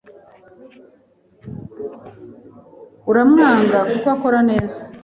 Uramwanga kuko ukora neza